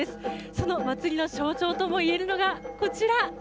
その祭りの象徴ともいえるのがこちら。